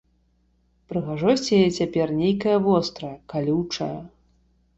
Прыгажосць яе цяпер нейкая вострая, калючая.